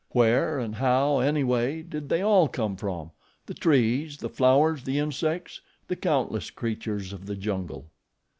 Where and how, anyway, did they all come from the trees, the flowers, the insects, the countless creatures of the jungle?